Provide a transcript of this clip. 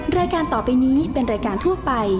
รายการต่อไปนี้เป็นรายการทั่วไป